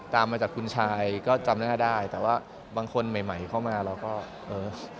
ตามมาจากคุณชายก็จำหน้าได้แต่ว่าบางคนใหม่ใหม่เข้ามาเราก็เออ